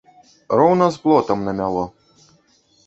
Роўна з плотам намяло.